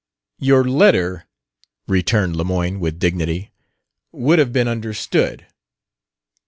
"Your letter," returned Lemoyne, with dignity, "would have been understood."